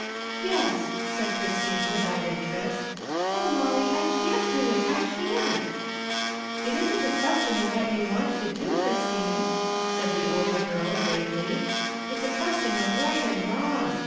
" Yes," said Christine, without interest. " Oh Molly, I can't do it! I can't!" " It isn't a question of what you want to do, Chris tine," said the older girl gravely, "it's a question of THE SECRETARY OF STATE 319 right and wrong.